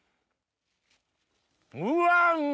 うわうま！